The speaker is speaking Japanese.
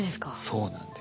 そうなんです。